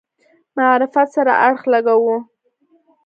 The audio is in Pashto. معرفت سره اړخ لګاوه.